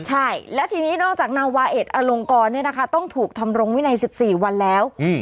ใช่และทีนี้นอกจากนาวาเอกอลงกรเนี่ยนะคะต้องถูกทำรงวินัยสิบสี่วันแล้ว